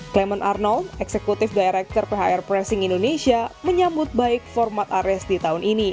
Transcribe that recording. clement arnold executive director phr pressing indonesia menyambut baik format ares di tahun ini